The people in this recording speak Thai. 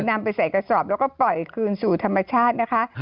นำไปใส่กระสอบแล้วก็ปล่อยคืนสู่ธรรมชาตินะคะ